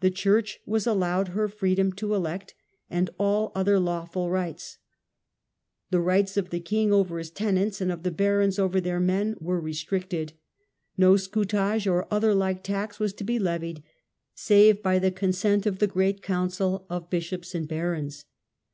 The church was allowed her freedom to elect, and all Magna Other lawful rights. The rights of the king Carta. Qyg^ j^jg tenants, and of the barons over their men, were restricted. No scutage or other like tax was to be levied save by the consent of the great council of bishops and barons.